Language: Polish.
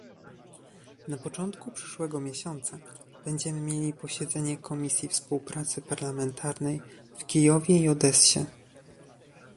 Na początku przyszłego miesiąca będziemy mieli posiedzenie Komisji Współpracy Parlamentarnej w Kijowie i Odessie